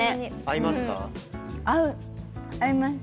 合います。